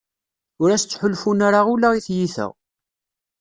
Ur as-ttḥulfun ara ula i tyita.